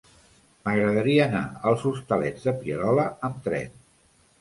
M'agradaria anar als Hostalets de Pierola amb tren.